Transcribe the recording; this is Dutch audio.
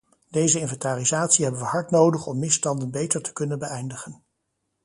Deze inventarisatie hebben we hard nodig om misstanden beter te kunnen beëindigen.